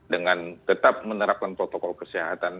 dengan tetap menerapkan protokol kesehatan